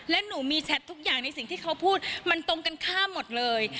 และหนูมีแชททุกอย่างในสิ่งที่เขาพูดมันตรงกันข้ามหมดเลย